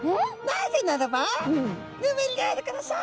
「なぜならばヌメリがあるからさ」。